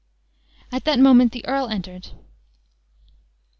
At that moment the earl entered.